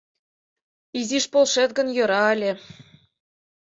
Изиш полшет гын, йӧра ыле.